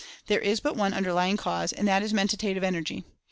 There is but one underlying cause, and that is MEN TATIVE ENERGY.